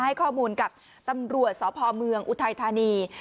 ให้ข้อมูลกับตำรวจสพเมืองอุทัยธานี